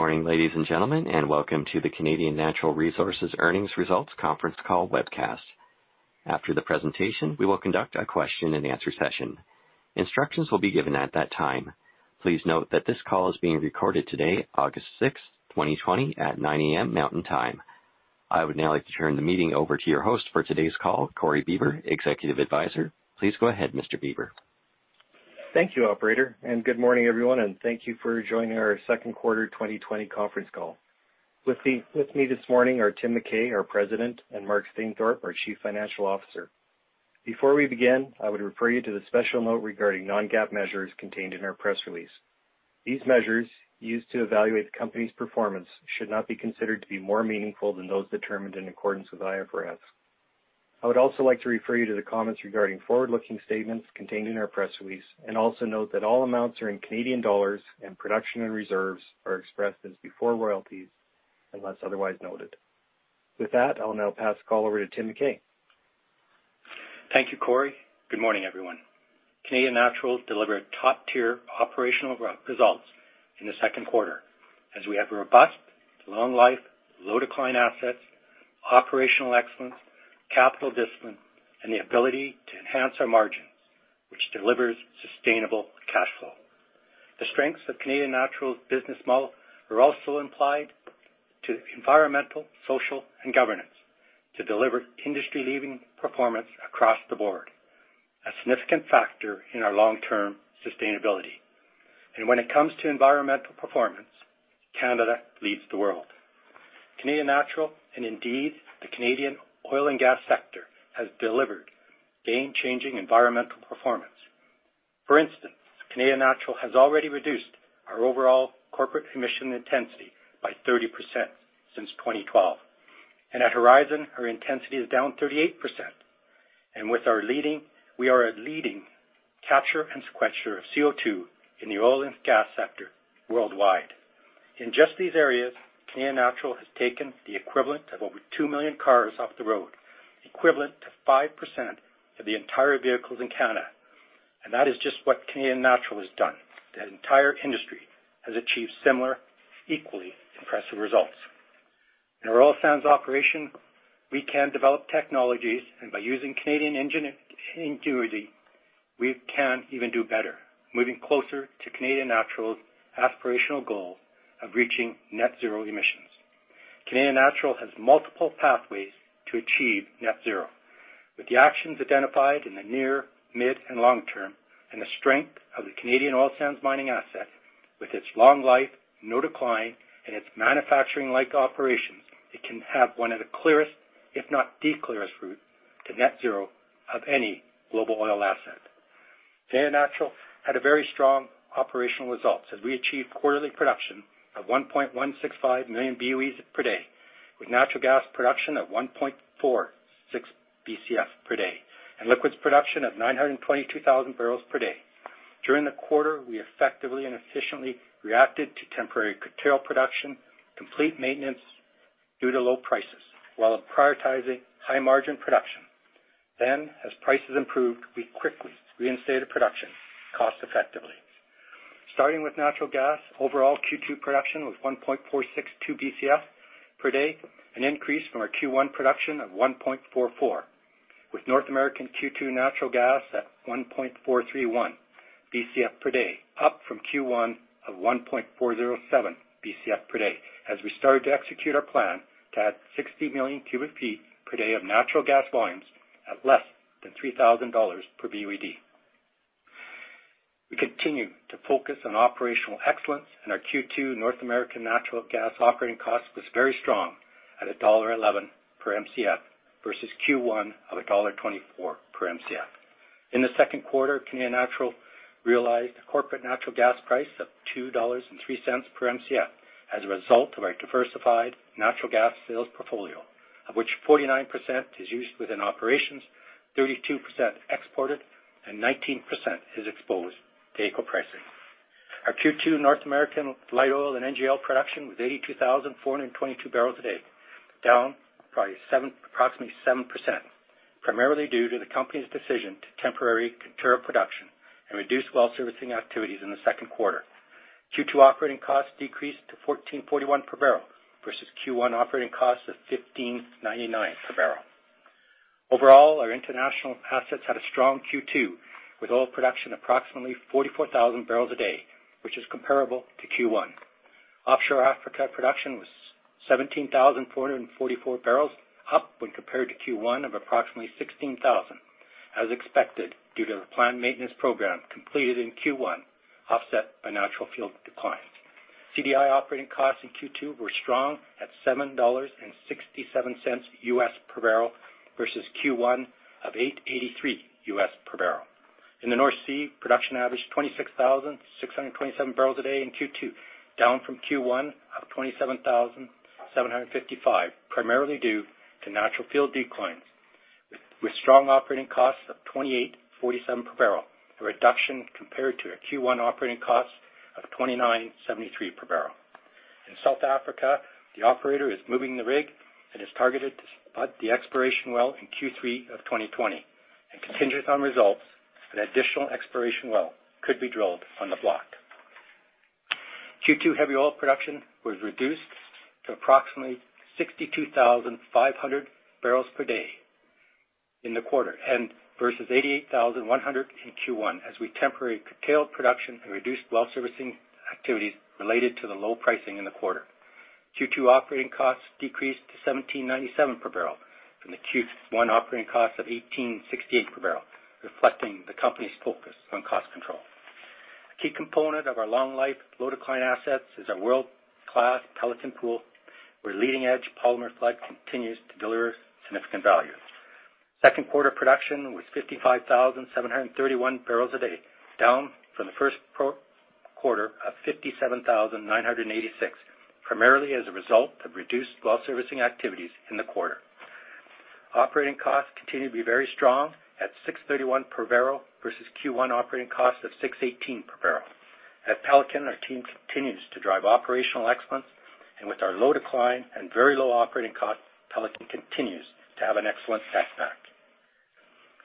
Good morning, ladies and gentlemen, and welcome to the Canadian Natural Resources earnings results conference call webcast. After the presentation, we will conduct a question and answer session. Instructions will be given at that time. Please note that this call is being recorded today, August 6, 2020, at 9:00 A.M. Mountain Time. I would now like to turn the meeting over to your host for today's call, Corey Bieber, Executive Advisor. Please go ahead, Mr. Bieber. Thank you, operator, and good morning, everyone, and thank you for joining our second quarter 2020 conference call. With me this morning are Tim McKay, our President, and Mark Stainthorpe, our Chief Financial Officer. Before we begin, I would refer you to the special note regarding non-GAAP measures contained in our press release. These measures, used to evaluate the company's performance, should not be considered to be more meaningful than those determined in accordance with IFRS. I would also like to refer you to the comments regarding forward-looking statements contained in our press release, and also note that all amounts are in Canadian dollars and production and reserves are expressed as before royalties, unless otherwise noted. With that, I'll now pass the call over to Tim McKay. Thank you, Corey. Good morning, everyone. Canadian Natural delivered top-tier operational results in the second quarter as we have robust long life, low decline assets, operational excellence, capital discipline, and the ability to enhance our margins, which delivers sustainable cash flow. The strengths of Canadian Natural's business model are also implied to environmental, social, and governance to deliver industry-leading performance across the board, a significant factor in our long-term sustainability. When it comes to environmental performance, Canada leads the world. Canadian Natural, and indeed the Canadian oil and gas sector, has delivered game-changing environmental performance. For instance, Canadian Natural has already reduced our overall corporate emission intensity by 30% since 2012. At Horizon, our intensity is down 38%. We are a leading capture and sequester of CO2 in the oil and gas sector worldwide. In just these areas, Canadian Natural has taken the equivalent of over two million cars off the road, equivalent to 5% of the entire vehicles in Canada. That is just what Canadian Natural has done. The entire industry has achieved similar, equally impressive results. In our oil sands operation, we can develop technologies, and by using Canadian ingenuity, we can even do better, moving closer to Canadian Natural's aspirational goal of reaching net zero emissions. Canadian Natural has multiple pathways to achieve net zero. With the actions identified in the near, mid, and long-term, and the strength of the Canadian oil sands mining asset with its long life, no decline, and its manufacturing-like operations, it can have one of the clearest, if not the clearest route to net zero of any global oil asset. Canadian Natural had very strong operational results as we achieved quarterly production of 1.165 million BOEs per day, with natural gas production of 1.46 BcF per day, and liquids production of 922,000 barrels per day. During the quarter, we effectively and efficiently reacted to temporary curtail production, complete maintenance due to low prices, while prioritizing high-margin production. As prices improved, we quickly reinstated production cost-effectively. Starting with natural gas, overall Q2 production was 1.462 BcF per day, an increase from our Q1 production of 1.44, with North American Q2 natural gas at 1.431 BcF per day, up from Q1 of 1.407 BcF per day, as we started to execute our plan to add 60 million cubic feet per day of natural gas volumes at less than 3,000 dollars per BOE/d. We continue to focus on operational excellence. Our Q2 North American natural gas operating cost was very strong at dollar 1.11 per McF versus Q1 of dollar 1.24 per McF. In the second quarter, Canadian Natural realized a corporate natural gas price of 2.03 dollars per McF as a result of our diversified natural gas sales portfolio, of which 49% is used within operations, 32% exported, and 19% is exposed to AECO pricing. Our Q2 North American light oil and NGL production was 82,422 barrels a day, down approximately 7%, primarily due to the company's decision to temporarily curtail production and reduce well servicing activities in the second quarter. Q2 operating costs decreased to 14.41 per barrel versus Q1 operating costs of 15.99 per barrel. Overall, our international assets had a strong Q2 with oil production approximately 44,000 barrels a day, which is comparable to Q1. Offshore Africa production was 17,444 barrels, up when compared to Q1 of approximately 16,000, as expected due to the planned maintenance program completed in Q1 offset by natural field declines. CDI operating costs in Q2 were strong at $7.67 per barrel versus Q1 of $8.83 per barrel. In the North Sea, production averaged 26,627 barrels a day in Q2, down from Q1 of 27,755, primarily due to natural field declines, with strong operating costs of 28.47 per barrel, a reduction compared to our Q1 operating cost of 29.73 per barrel. In South Africa, the operator is moving the rig and is targeted spud the exploration well in Q3 of 2020, and contingent on results, an additional exploration well could be drilled on the block. Q2 heavy oil production was reduced to approximately 62,500 barrels per day in the quarter, and versus 88,100 in Q1 as we temporarily curtailed production and reduced well servicing activities related to the low pricing in the quarter. Q2 operating costs decreased to CAD 17.97 per barrel from the Q1 operating cost of CAD 18.68 per barrel, reflecting the company's focus on cost control. A key component of our long life, low decline assets is our world-class Pelican Lake pool, where leading-edge polymer flood continues to deliver significant value. Second quarter production was 55,731 barrels a day, down from the first quarter of 57,986, primarily as a result of reduced well servicing activities in the quarter. Operating costs continue to be very strong at 6.31 per barrel versus Q1 operating costs of 6.18 per barrel. At Pelican, our team continues to drive operational excellence, and with our low decline and very low operating cost, Pelican continues to have an excellent netback.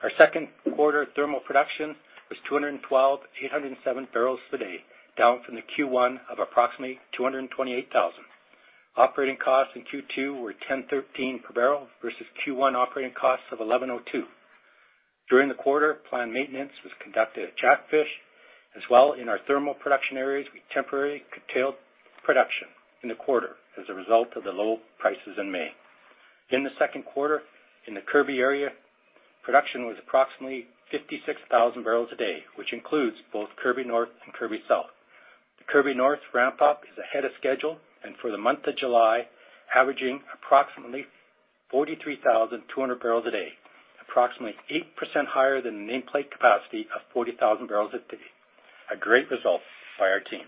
Our second quarter thermal production was 212,807 barrels a day, down from the Q1 of approximately 228,000. Operating costs in Q2 were 10.13 per barrel versus Q1 operating costs of 11.02. During the quarter, planned maintenance was conducted at Jackfish. As well in our thermal production areas, we temporarily curtailed production in the quarter as a result of the low prices in May. In the second quarter, in the Kirby area, production was approximately 56,000 barrels a day, which includes both Kirby North and Kirby South. The Kirby North ramp-up is ahead of schedule, and for the month of July, averaging approximately 43,200 barrels a day, approximately 8% higher than the nameplate capacity of 40,000 barrels a day. A great result by our team.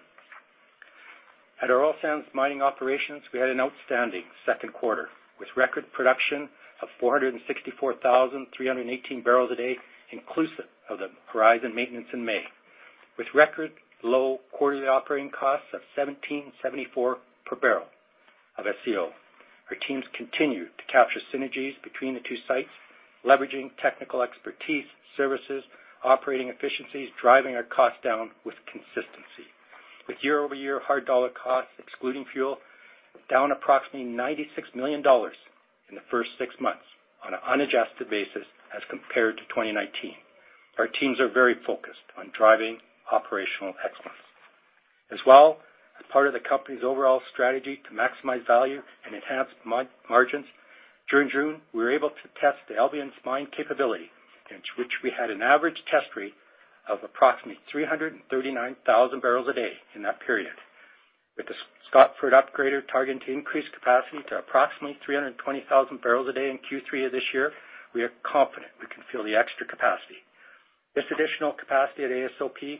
At our Oil Sands Mining operations, we had an outstanding second quarter, with record production of 464,318 barrels a day, inclusive of the Horizon maintenance in May. With record low quarterly operating costs of 17.74 per barrel of SCO. Our teams continued to capture synergies between the two sites, leveraging technical expertise, services, operating efficiencies, driving our cost down with consistency. With year-over-year hard dollar costs, excluding fuel, down approximately 96 million dollars in the first six months on an unadjusted basis as compared to 2019. Our teams are very focused on driving operational excellence. As well, as part of the company's overall strategy to maximize value and enhance margins, during June, we were able to test the Albian's mine capability, in which we had an average test rate of approximately 339,000 barrels a day in that period. With the Scotford Upgrader target to increase capacity to approximately 320,000 barrels a day in Q3 of this year, we are confident we can fill the extra capacity. This additional capacity at AOSP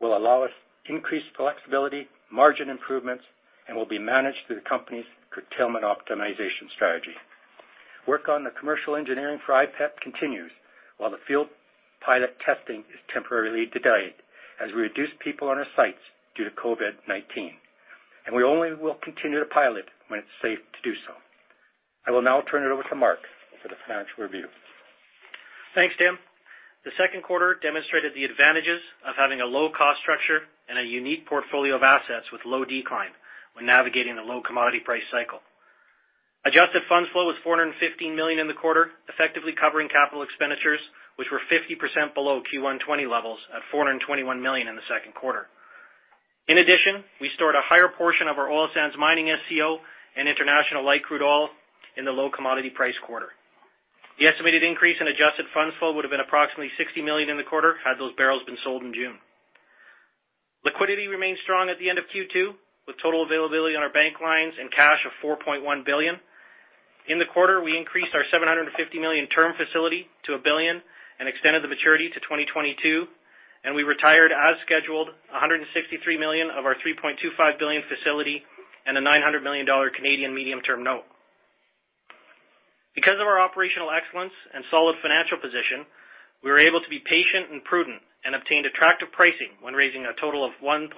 will allow us increased flexibility, margin improvements, and will be managed through the company's curtailment optimization strategy. Work on the commercial engineering for IPEP continues, while the field pilot testing is temporarily delayed as we reduce people on our sites due to COVID-19. We only will continue to pilot when it's safe to do so. I will now turn it over to Mark for the financial review. Thanks, Tim. The second quarter demonstrated the advantages of having a low-cost structure and a unique portfolio of assets with low decline when navigating a low commodity price cycle. Adjusted funds flow was 415 million in the quarter, effectively covering capital expenditures, which were 50% below Q1 2020 levels at 421 million in the second quarter. In addition, we stored a higher portion of our oil sands mining SCO and international light crude oil in the low commodity price quarter. The estimated increase in adjusted funds flow would have been approximately 60 million in the quarter had those barrels been sold in June. Liquidity remained strong at the end of Q2, with total availability on our bank lines and cash of 4.1 billion. In the quarter, we increased our 750 million term facility to 1 billion and extended the maturity to 2022, and we retired as scheduled 163 million of our 3.25 billion facility and a 900 million Canadian dollars Canadian medium-term note. Because of our operational excellence and solid financial position, we were able to be patient and prudent and obtained attractive pricing when raising a total of $1.1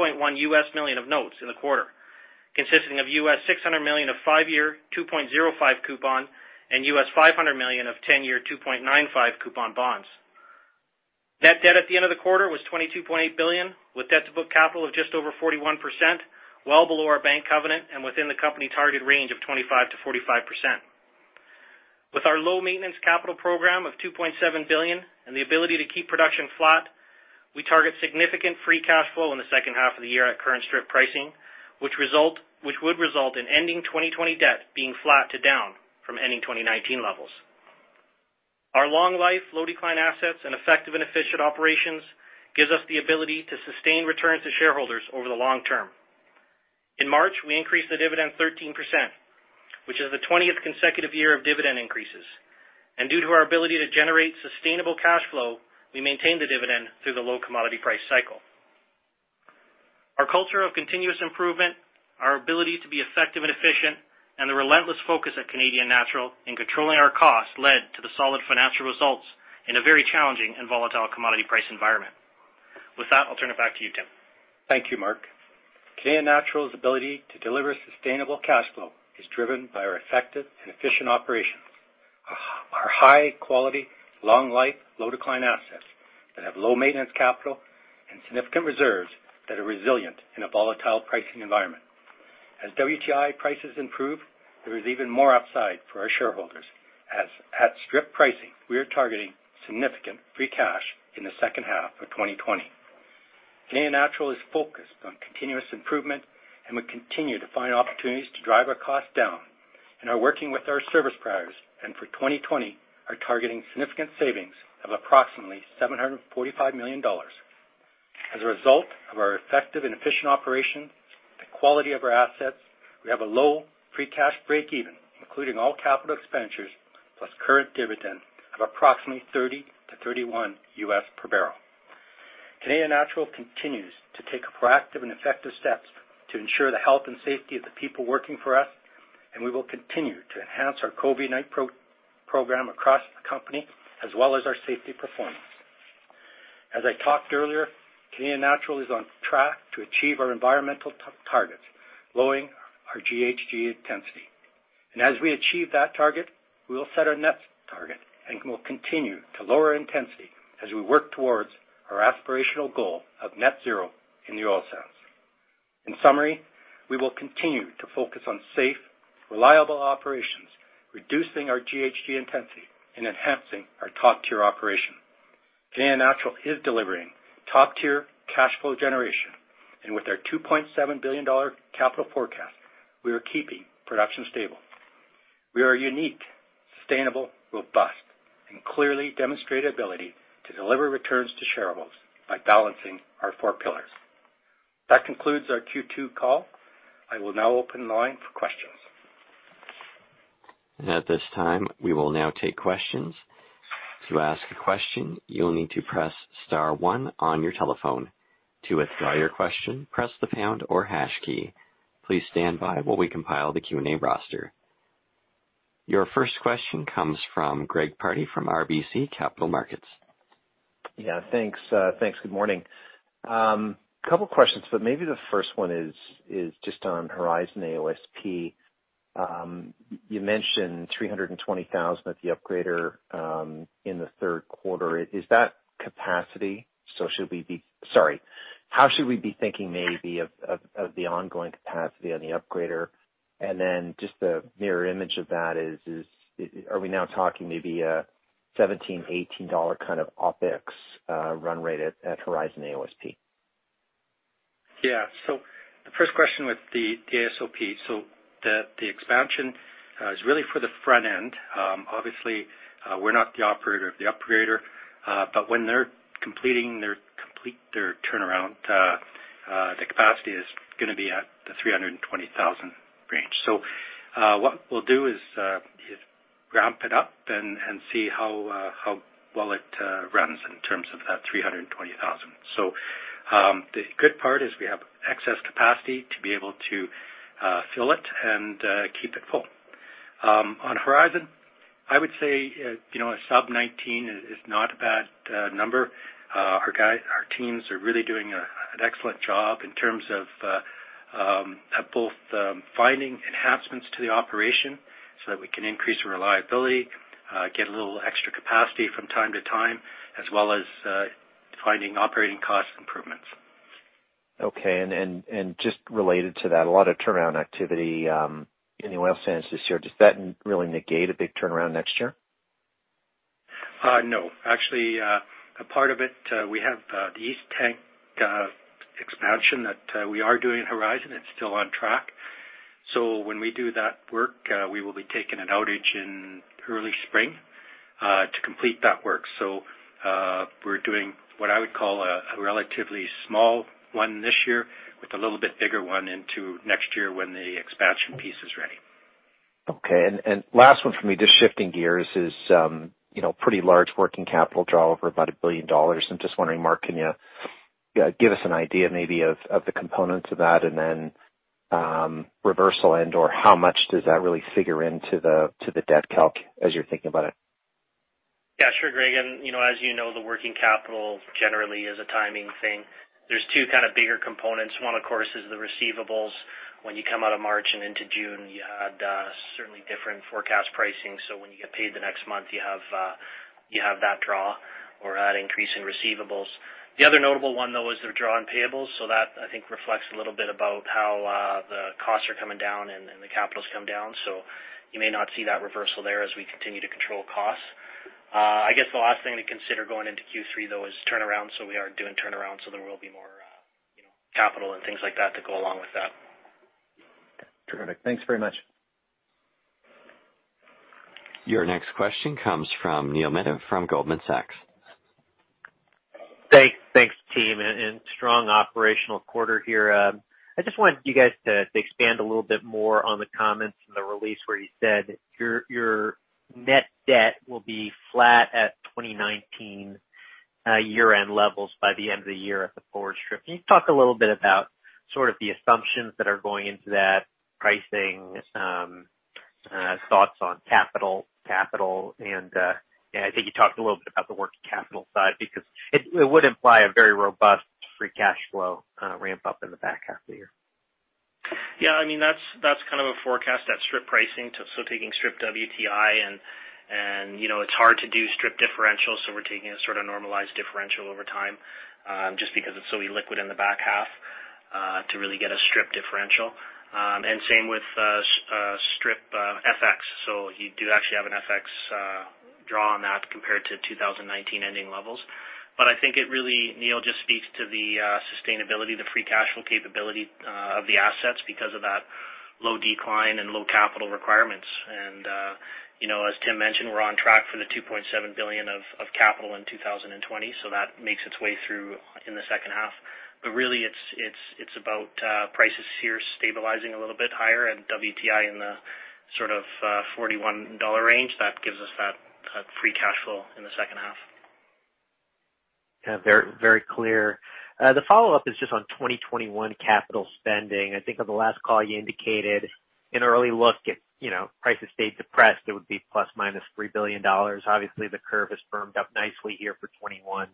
million of notes in the quarter, consisting of $600 million of five-year, 2.05% coupon and $500 million of 10-year, 2.95% coupon bonds. Net debt at the end of the quarter was 22.8 billion, with debt-to-book capital of just over 41%, well below our bank covenant and within the company target range of 25%-45%. With our low maintenance capital program of 2.7 billion and the ability to keep production flat, we target significant free cash flow in the second half of the year at current strip pricing, which would result in ending 2020 debt being flat to down from ending 2019 levels. Our long life, low-decline assets, and effective and efficient operations gives us the ability to sustain returns to shareholders over the long term. In March, we increased the dividend 13%, which is the 20th consecutive year of dividend increases. Due to our ability to generate sustainable cash flow, we maintained the dividend through the low commodity price cycle. Our culture of continuous improvement, our ability to be effective and efficient, and the relentless focus at Canadian Natural in controlling our costs led to the solid financial results in a very challenging and volatile commodity price environment. With that, I'll turn it back to you, Tim. Thank you, Mark. Canadian Natural's ability to deliver sustainable cash flow is driven by our effective and efficient operations, our high-quality, long-life, low-decline assets that have low maintenance capital and significant reserves that are resilient in a volatile pricing environment. As WTI prices improve, there is even more upside for our shareholders, as at strip pricing, we are targeting significant free cash in the second half of 2020. Canadian Natural is focused on continuous improvement, and we continue to find opportunities to drive our costs down and are working with our service providers. For 2020, we are targeting significant savings of approximately 745 million dollars. As a result of our effective and efficient operations, the quality of our assets, we have a low free cash breakeven, including all capital expenditures plus current dividend of approximately $30-$31 per barrel. Canadian Natural continues to take proactive and effective steps to ensure the health and safety of the people working for us. We will continue to enhance our COVID-19 program across the company, as well as our safety performance. As I talked earlier, Canadian Natural is on track to achieve our environmental targets, lowering our GHG intensity. As we achieve that target, we will set our next target, and we'll continue to lower intensity as we work towards our aspirational goal of net zero in the oil sands. In summary, we will continue to focus on safe, reliable operations, reducing our GHG intensity and enhancing our top-tier operation. Canadian Natural is delivering top-tier cash flow generation. With our 2.7 billion dollar capital forecast, we are keeping production stable. We are unique, sustainable, robust, and clearly demonstrate the ability to deliver returns to shareholders by balancing our four pillars. That concludes our Q2 call. I will now open the line for questions. At this time, we will now take questions. To ask a question, you will need to press star one on your telephone. To withdraw your question, press the pound or hash key. Please stand by while we compile the Q&A roster. Your first question comes from Greg Pardy from RBC Capital Markets. Thanks. Good morning. Couple of questions, but maybe the first one is just on Horizon AOSP. You mentioned 320,000 at the upgrader in the third quarter. Is that capacity? Sorry. How should we be thinking maybe of the ongoing capacity on the upgrader? Just the mirror image of that is, are we now talking maybe a 17 dollar, 18 dollar kind of OpEx run rate at Horizon AOSP? Yeah. The first question with the AOSP, the expansion is really for the front end. Obviously, we're not the operator of the upgrader. When they complete their turnaround, the capacity is going to be at the 320,000 range. What we'll do is ramp it up and see how well it runs in terms of that 320,000. The good part is we have excess capacity to be able to fill it and keep it full. On Horizon, I would say, a sub $19 is not a bad number. Our teams are really doing an excellent job in terms of both finding enhancements to the operation so that we can increase reliability, get a little extra capacity from time to time, as well as finding operating cost improvements. Okay. Just related to that, a lot of turnaround activity in the oil sands this year. Does that really negate a big turnaround next year? No. Actually, a part of it, we have the East Tank expansion that we are doing at Horizon. It's still on track. When we do that work, we will be taking an outage in early spring to complete that work. We're doing what I would call a relatively small one this year, with a little bit bigger one into next year when the expansion piece is ready. Okay. Last one for me, just shifting gears, is pretty large working capital draw over about 1 billion dollars. I'm just wondering, Mark, can you give us an idea maybe of the components of that and then reversal and/or how much does that really figure into the debt calc as you're thinking about it? Yeah, sure, Greg. As you know, the working capital generally is a timing thing. There's two kind of bigger components. One, of course, is the receivables. When you come out of March and into June, you had certainly different forecast pricing. When you get paid the next month, you have that draw or that increase in receivables. The other notable one, though, is the draw on payables. That I think reflects a little bit about how the costs are coming down and the capital's come down. You may not see that reversal there as we continue to control costs. I guess the last thing to consider going into Q3, though, is turnaround. We are doing turnaround, so there will be more capital and things like that to go along with that. Terrific. Thanks very much. Your next question comes from Neil Mehta from Goldman Sachs. Thanks, team. Strong operational quarter here. I just wanted you guys to expand a little bit more on the comments in the release where you said your net debt will be flat at 2019 year-end levels by the end of the year at the forward strip. Can you talk a little bit about sort of the assumptions that are going into that pricing thoughts on capital? I think you talked a little bit about the working capital side, because it would imply a very robust free cash flow ramp-up in the back half of the year? Yeah, that's a forecast at strip pricing. Taking strip WTI, and it's hard to do strip differentials, we're taking a sort of normalized differential over time, just because it's so illiquid in the back half, to really get a strip differential. Same with strip FX. You do actually have an FX draw on that compared to 2019 ending levels. I think it really, Neil, just speaks to the sustainability, the free cash flow capability of the assets because of that low decline and low capital requirements. As Tim mentioned, we're on track for the 2.7 billion of capital in 2020, so that makes its way through in the second half. Really, it's about prices here stabilizing a little bit higher and WTI in the sort of 41 dollar range. That gives us that free cash flow in the second half. Yeah. Very clear. The follow-up is just on 2021 capital spending. I think on the last call you indicated an early look. If prices stayed depressed, it would be ±3 billion dollars. Obviously, the curve has firmed up nicely here for 2021.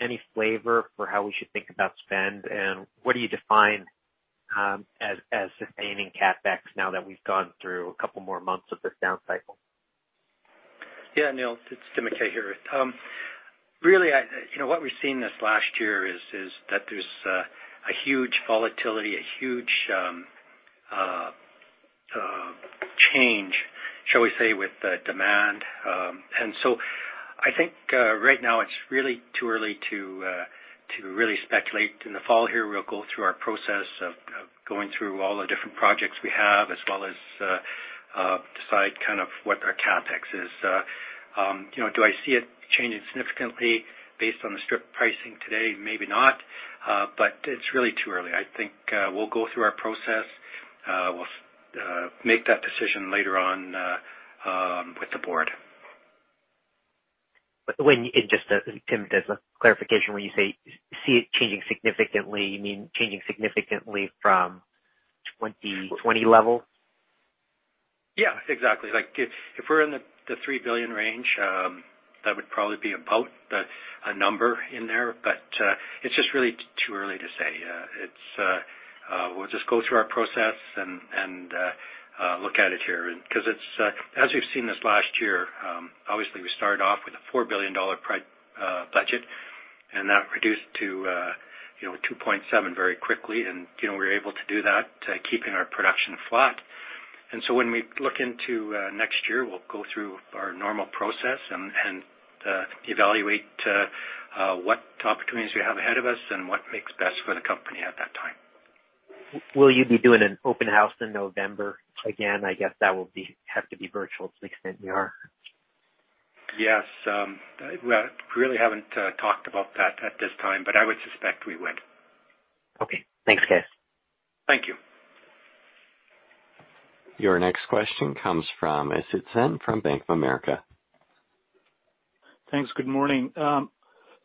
Any flavor for how we should think about spend, and what do you define as sustaining CapEx now that we've gone through a couple more months of this down cycle? Yeah, Neil, it's Tim McKay here. Really, what we're seeing this last year is that there's a huge volatility, a huge change, shall we say, with demand. I think right now it's really too early to really speculate. In the fall here, we'll go through our process of going through all the different projects we have, as well as decide what our CapEx is. Do I see it changing significantly based on the strip pricing today? Maybe not, but it's really too early. I think we'll go through our process. We'll make that decision later on with the board. Tim, just as a clarification, when you say see it changing significantly, you mean changing significantly from 2020 levels? Yeah, exactly. If we're in the 3 billion range, that would probably be about a number in there. It's just really too early to say. We'll just go through our process and look at it here. As we've seen this last year, obviously we started off with a 4 billion dollar budget, that reduced to 2.7 billion very quickly, and we were able to do that keeping our production flat. When we look into next year, we'll go through our normal process and evaluate what opportunities we have ahead of us and what makes best for the company at that time. Will you be doing an open house in November again? I guess that will have to be virtual to the extent we are. Yes. We really haven't talked about that at this time, but I would suspect we would. Okay. Thanks, guys. Thank you. Your next question comes from Asit Sen from Bank of America. Thanks. Good morning.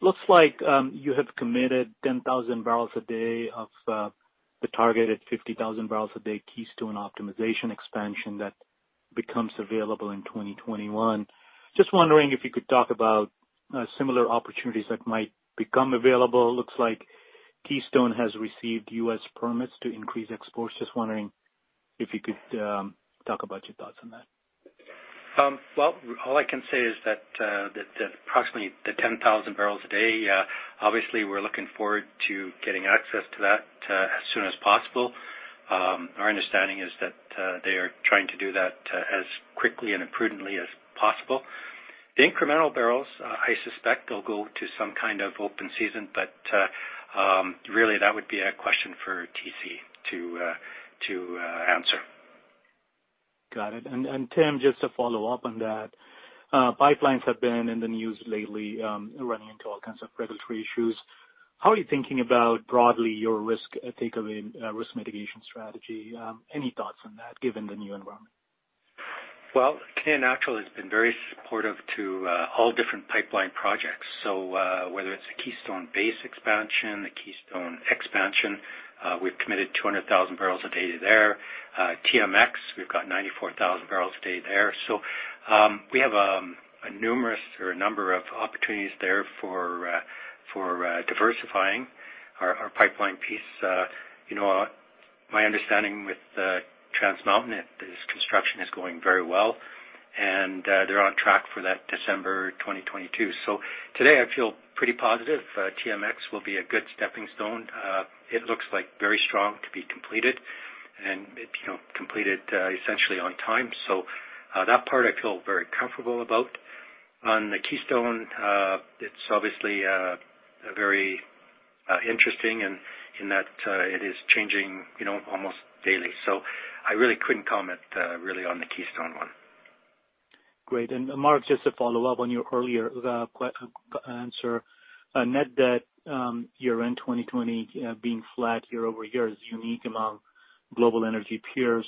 Looks like you have committed 10,000 barrels a day of the targeted 50,000 barrels a day Keystone optimization expansion that becomes available in 2021. Just wondering if you could talk about similar opportunities that might become available. Looks like Keystone has received U.S. permits to increase exports. Just wondering if you could talk about your thoughts on that. Well, all I can say is that approximately the 10,000 barrels a day, obviously we're looking forward to getting access to that as soon as possible. Our understanding is that they are trying to do that as quickly and prudently as possible. The incremental barrels, I suspect they'll go to some kind of open season, but really that would be a question for TC to answer. Got it. Tim, just to follow up on that. Pipelines have been in the news lately, running into all kinds of regulatory issues. How are you thinking about, broadly, your risk mitigation strategy? Any thoughts on that given the new environment? Well, Canadian Natural has been very supportive to all different pipeline projects. Whether it's the Keystone base expansion, the Keystone expansion, we've committed 200,000 barrels a day there. TMX, we've got 94,000 barrels a day there. We have a number of opportunities there for diversifying our pipeline piece. My understanding with Trans Mountain is construction is going very well, and they're on track for that December 2022. Today I feel pretty positive TMX will be a good stepping stone. It looks very strong to be completed, and completed essentially on time. That part I feel very comfortable about. On the Keystone, it's obviously very interesting in that it is changing almost daily. I really couldn't comment really on the Keystone one. Great. Mark, just to follow up on your earlier answer. Net debt year-end 2020 being flat year-over-year is unique among global energy peers.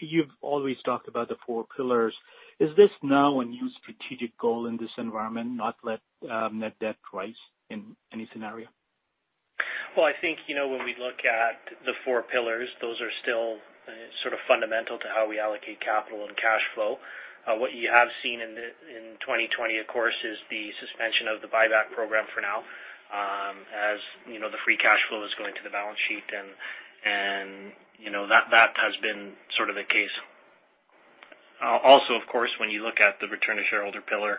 You've always talked about the four pillars. Is this now a new strategic goal in this environment, not let net debt rise in any scenario? Well, I think, when we look at the four pillars, those are still sort of fundamental to how we allocate capital and cash flow. What you have seen in 2020, of course, is the suspension of the buyback program for now, as the free cash flow is going to the balance sheet, and that has been sort of the case. Also, of course, when you look at the return to shareholder pillar,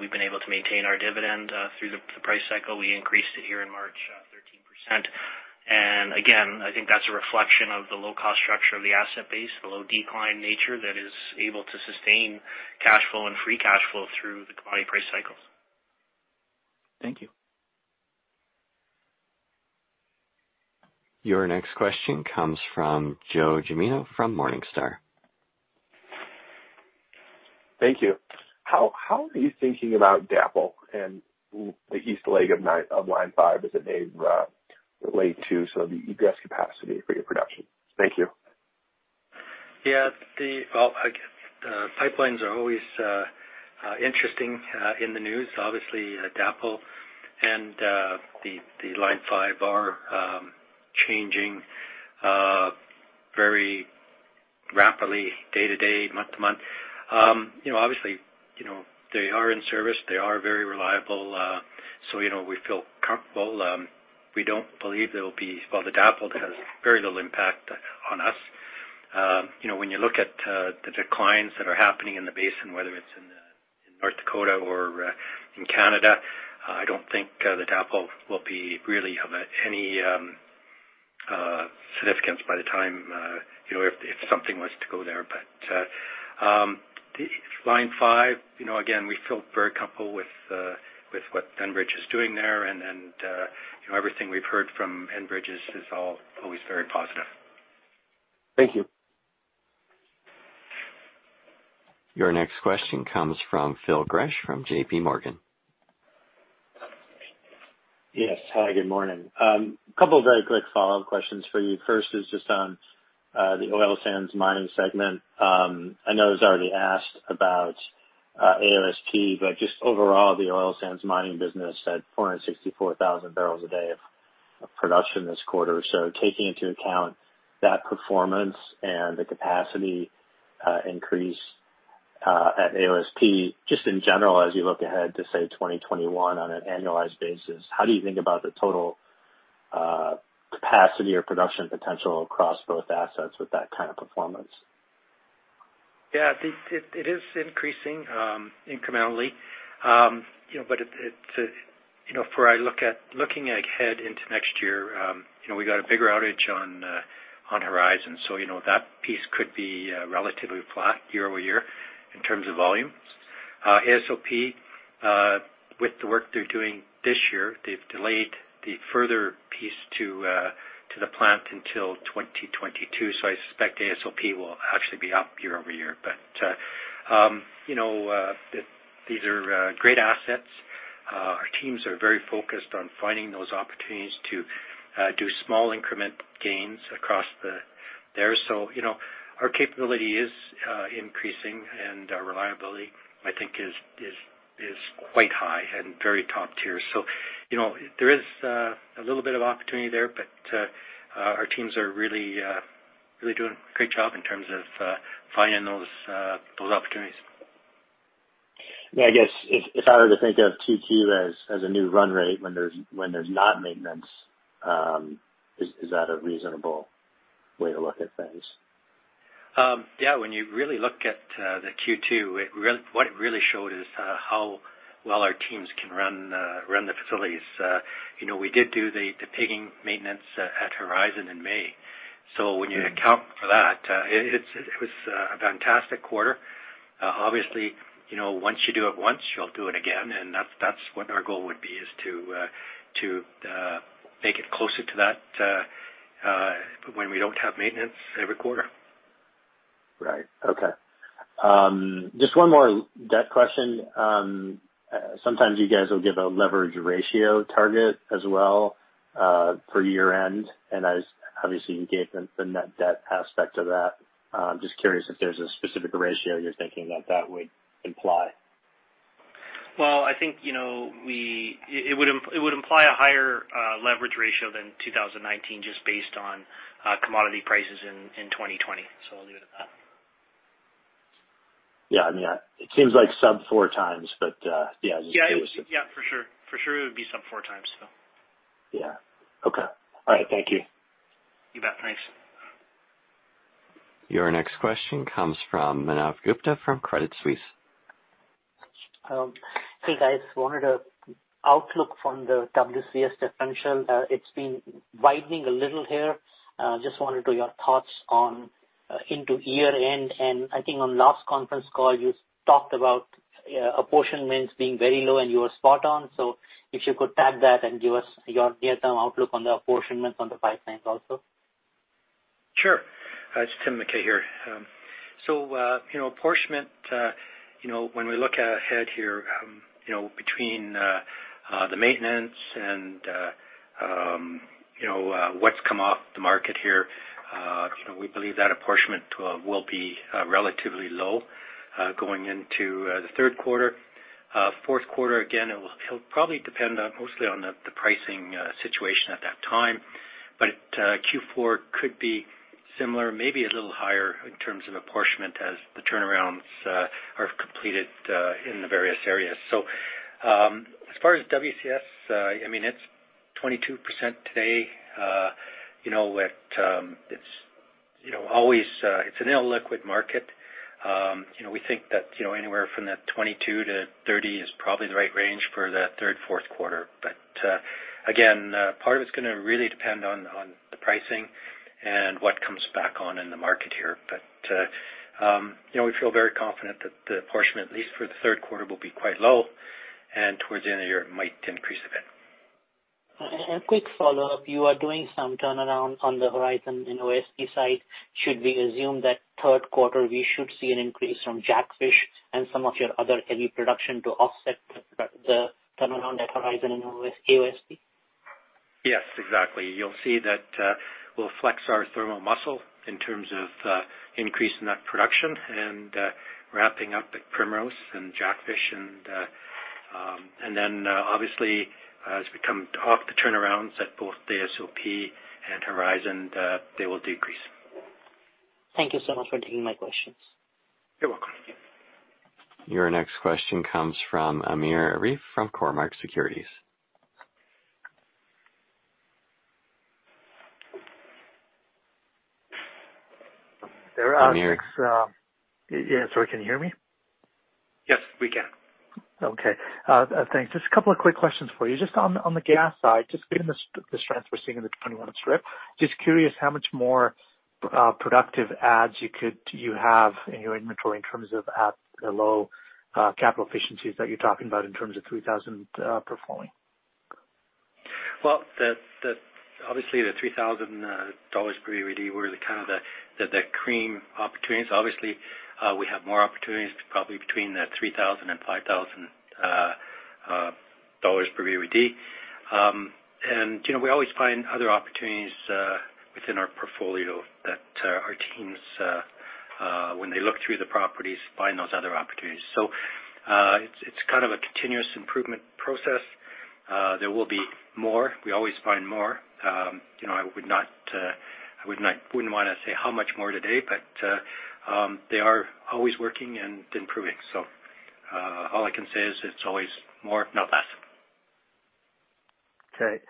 we've been able to maintain our dividend through the price cycle. We increased it here in March, 13%. Again, I think that's a reflection of the low-cost structure of the asset base, the low decline nature that is able to sustain cash flow and free cash flow through the commodity price cycles. Thank you. Your next question comes from Joe Gemino from Morningstar. Thank you. How are you thinking about DAPL and the east leg of Line 5 as it may relate to some of the egress capacity for your production? Thank you. The pipelines are always interesting in the news. Obviously, DAPL and the Line 5 are changing very rapidly day-to-day, month-to-month. Obviously, they are in service. They are very reliable, so we feel comfortable. We don't believe there will be Well, the DAPL has very little impact on us. When you look at the declines that are happening in the basin, whether it's in North Dakota or in Canada, I don't think the DAPL will be really of any significance by the time if something was to go there. Line 5, again, we feel very comfortable with what Enbridge is doing there. Everything we've heard from Enbridge is all always very positive. Thank you. Your next question comes from Phil Gresh from JPMorgan. Yes. Hi, good morning. Couple of very quick follow-up questions for you. First is just on the oil sands mining segment. I know it was already asked about AOSP, but just overall, the oil sands mining business had 464,000 barrels a day of production this quarter. Taking into account that performance and the capacity increase at AOSP, just in general, as you look ahead to, say, 2021 on an annualized basis, how do you think about the total capacity or production potential across both assets with that kind of performance? Yeah, it is increasing incrementally. Looking ahead into next year, we got a bigger outage on Horizon. That piece could be relatively flat year-over-year in terms of volumes. AOSP, with the work they're doing this year, they've delayed the further piece to the plant until 2022. I suspect AOSP will actually be up year-over-year. These are great assets. Our teams are very focused on finding those opportunities to do small increment gains across there. Our capability is increasing, and our reliability, I think, is quite high and very top tier. There is a little bit of opportunity there, our teams are really doing a great job in terms of finding those opportunities. I guess if I were to think of 2Q as a new run rate when there's not maintenance, is that a reasonable way to look at things? When you really look at the Q2, what it really showed is how well our teams can run the facilities. We did do the pigging maintenance at Horizon in May. When you account for that, it was a fantastic quarter. Obviously, once you do it once, you'll do it again, and that's what our goal would be, is to make it closer to that when we don't have maintenance every quarter. Right. Okay. Just one more debt question. Sometimes you guys will give a leverage ratio target as well for year-end, and obviously you gave the net debt aspect of that. Just curious if there's a specific ratio you're thinking that that would imply. Well, I think it would imply a higher leverage ratio than 2019 just based on commodity prices in 2020. I'll leave it at that. Yeah. It seems like sub four times, but yeah. Yeah. For sure. It would be sub four times, so. Yeah. Okay. All right. Thank you. You bet. Thanks. Your next question comes from Manav Gupta from Credit Suisse. Hey, guys. Wanted an outlook from the WCS differential. It's been widening a little here. Just wanted your thoughts into year-end. I think on last conference call, you talked about apportionments being very low, and you were spot on. If you could tag that and give us your near-term outlook on the apportionments on the pipelines, also. Sure, It's Tim McKay here. Apportionment, when we look ahead here, between the maintenance and what's come off the market here, we believe that apportionment will be relatively low going into the third quarter. Fourth quarter, again, it will probably depend mostly on the pricing situation at that time. Q4 could be similar, maybe a little higher in terms of apportionment, as the turnarounds are completed in the various areas. As far as WCS, it's 22% today. It's an illiquid market. We think that anywhere from that 22%-30% is probably the right range for that third, fourth quarter. Again, part of it's going to really depend on the pricing and what comes back on in the market here. We feel very confident that the apportionment, at least for the third quarter, will be quite low, and towards the end of the year, it might increase a bit. A quick follow-up. You are doing some turnaround on the Horizon in AOSP site. Should we assume that third quarter, we should see an increase from Jackfish and some of your other heavy production to offset the turnaround at Horizon in AOSP? Yes, exactly. You'll see that we'll flex our thermal muscle in terms of increasing that production and ramping up the Primrose and Jackfish. Obviously, as we come off the turnarounds at both the AOSP and Horizon, they will decrease. Thank you so much for taking my questions. You're welcome. Your next question comes from Amir Arif from Cormark Securities. Amir? Yeah. Sorry, can you hear me? Yes, we can. Okay. Thanks. Just a couple of quick questions for you. Just on the gas side, just given the strength we're seeing in the 2021 strip, just curious how much more productive adds you have in your inventory in terms of at the low capital efficiencies that you're talking about in terms of 3,000 performing? Well, obviously, the 3,000 dollars per BOE/d were kind of the cream opportunities. Obviously, we have more opportunities, probably between the 3,000 and 5,000 dollars per BOE/d. We always find other opportunities within our portfolio that our teams, when they look through the properties, find those other opportunities. It's kind of a continuous improvement process. There will be more. We always find more. I wouldn't want to say how much more today, but they are always working and improving. All I can say is it's always more, if not less. Okay.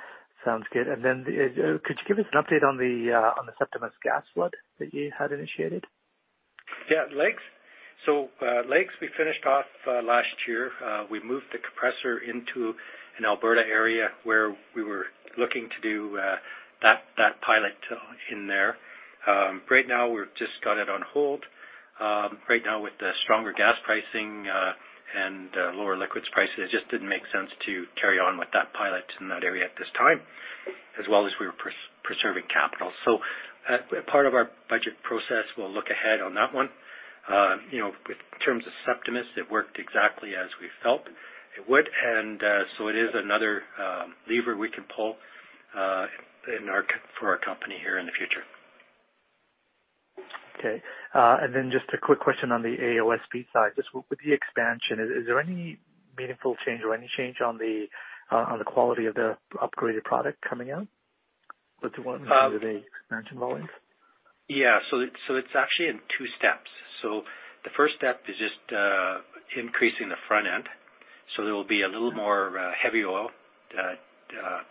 Sounds good. Could you give us an update on the Septimus gas flood that you had initiated? Yeah, Lakes? Lakes, we finished off last year. We moved the compressor into an Alberta area where we were looking to do that pilot in there. Right now, we've just got it on hold. Right now, with the stronger gas pricing and lower liquids pricing, it just didn't make sense to carry on with that pilot in that area at this time, as well as we were preserving capital. Part of our budget process, we'll look ahead on that one. In terms of Septimus, it worked exactly as we felt it would, and so it is another lever we can pull for our company here in the future. Okay. Then just a quick question on the AOSP side. Just with the expansion, is there any meaningful change or any change on the quality of the upgraded product coming out with the expansion volumes? Yeah. It's actually in two steps. The first step is just increasing the front end. There will be a little more heavy oil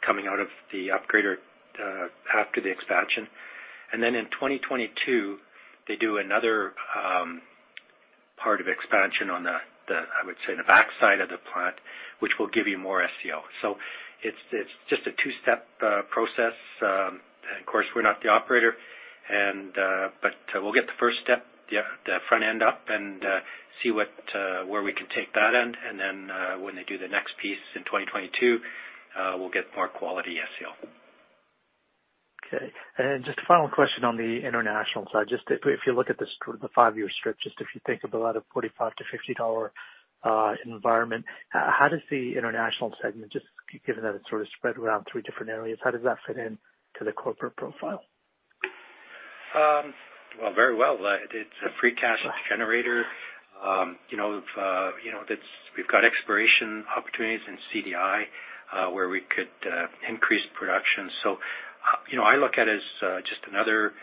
coming out of the upgrader after the expansion. Then in 2022, they do another part of expansion on the, I would say, the backside of the plant, which will give you more SCO. It's just a two-step process. Of course, we're not the operator, but we'll get the first step, the front end up and see where we can take that end. Then when they do the next piece in 2022, we'll get more quality SCO. Okay. Just a final question on the international side. Just if you look at the five-year strip, just if you think of a lot of 45-50 dollar environment, how does the international segment, just given that it's sort of spread around three different areas, how does that fit into the corporate profile? Well, very well. It's a free cash generator. We've got exploration opportunities in CDI where we could increase production. I look at it as just another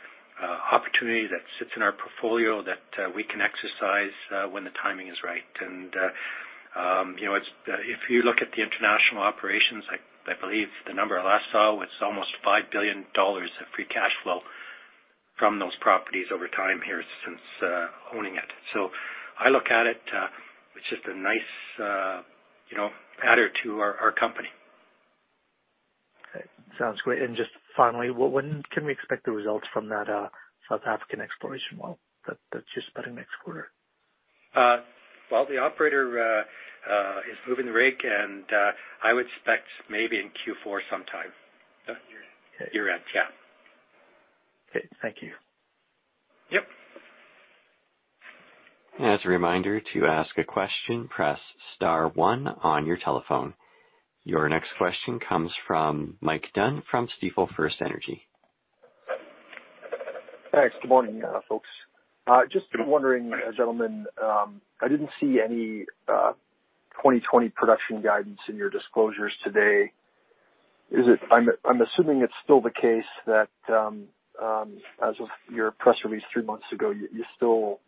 opportunity that sits in our portfolio that we can exercise when the timing is right. If you look at the international operations, I believe the number I last saw was almost 5 billion dollars of free cash flow from those properties over time here since owning it. I look at it's just a nice adder to our company. Okay. Sounds great. Just finally, when can we expect the results from that South African exploration well that's just about in next quarter? Well, the operator is moving the rig, and I would expect maybe in Q4 sometime, year-end. Yeah. Okay. Thank you. Yep. As a reminder, to ask a question, press star one on your telephone. Your next question comes from Mike Dunn from Stifel FirstEnergy. Thanks. Good morning, folks. Just wondering, gentlemen, I didn't see any 2020 production guidance in your disclosures today. I'm assuming it's still the case that, as of your press release three months ago, you still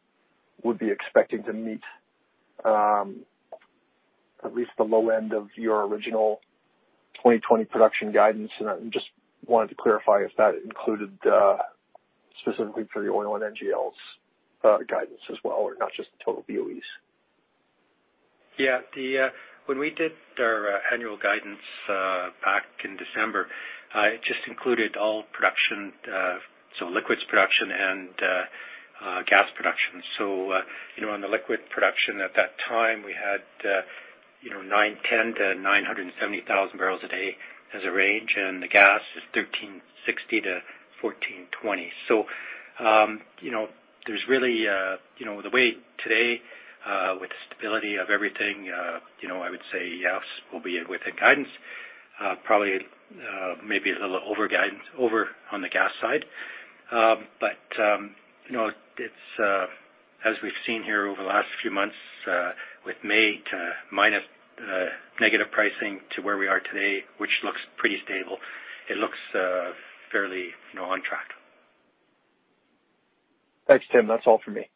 would be expecting to meet at least the low end of your original 2020 production guidance. I just wanted to clarify if that included specifically for the oil and NGLs guidance as well, or not just the total BOEs. When we did our annual guidance back in December, it just included all production, so liquids production and gas production. On the liquid production at that time, we had 910,000-970,000 barrels a day as a range, and the gas is 1,360-1,420. The way today, with the stability of everything, I would say yes, we'll be within guidance. Probably, maybe a little over on the gas side. As we've seen here over the last few months, with May to minus negative pricing to where we are today, which looks pretty stable, it looks fairly on track. Thanks, Tim. That's all for me.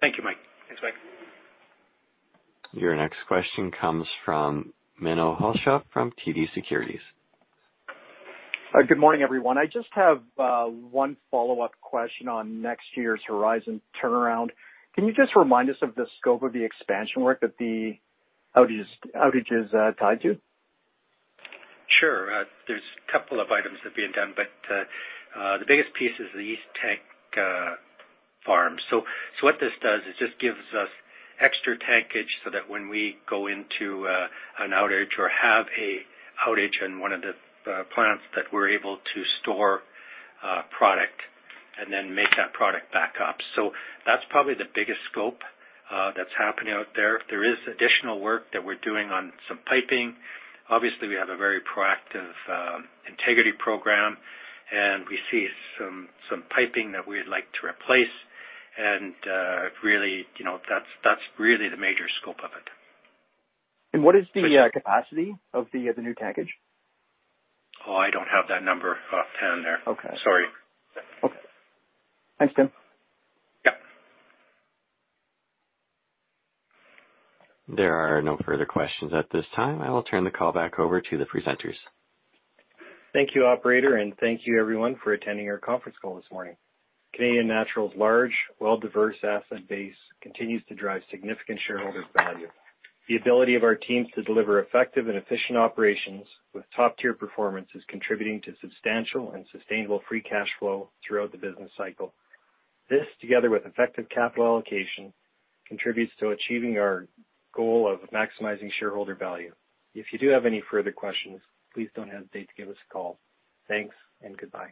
Thank you, Mike. Thanks, Mike. Your next question comes from Menno Hulshof from TD Securities. Good morning, everyone. I just have one follow-up question on next year's Horizon turnaround. Can you just remind us of the scope of the expansion work that the outage is tied to? Sure. There's a couple of items that are being done, the biggest piece is the East Tank farm. What this does, it just gives us extra tankage so that when we go into an outage or have an outage in one of the plants, that we're able to store product and then make that product back up. That's probably the biggest scope that's happening out there. There is additional work that we're doing on some piping. Obviously, we have a very proactive integrity program, and we see some piping that we'd like to replace, and that's really the major scope of it. What is the capacity of the new tankage? Oh, I don't have that number offhand there. Okay. Sorry. Okay. Thanks, Tim. Yep. There are no further questions at this time. I will turn the call back over to the presenters. Thank you, operator, and thank you, everyone, for attending our conference call this morning. Canadian Natural's large, well-diverse asset base continues to drive significant shareholder value. The ability of our teams to deliver effective and efficient operations with top-tier performance is contributing to substantial and sustainable free cash flow throughout the business cycle. This, together with effective capital allocation, contributes to achieving our goal of maximizing shareholder value. If you do have any further questions, please don't hesitate to give us a call. Thanks, and goodbye.